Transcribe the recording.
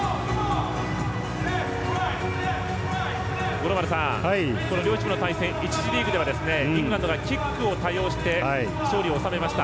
五郎丸さん、両チームの対戦１次リーグではイングランドがキックを多用して勝利を収めました。